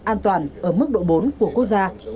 an toàn ở mức độ bốn của quốc gia